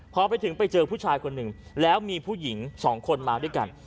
พอไปถึงไปเจอผู้ชายคนหนึ่งแล้วมีผู้หญิงสองคนมาด้วยกัน